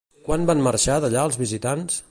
Quan van marxar d'allà els visitants?